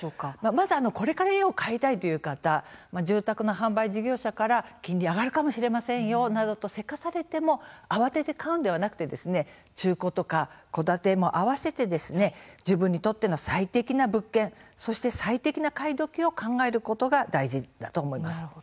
まず、これから家を買いたいという方住宅の販売事業者から金利が上がるかもしれないなどとせかされても慌てて買うのではなくて中古や戸建てを合わせて自分にとっての最適な物件最適な買い時を考えることが大事だと思います。